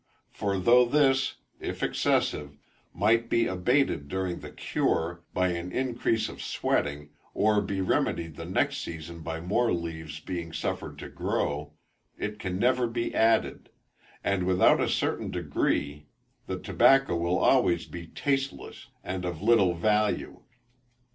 For though this, if excessive, might be abated during the cure, by an increase of sweating, or be remedied the next season by more leaves being suffered to grow, it can never be added; and without a certain degree, the tobacco will always be tasteless and of little value.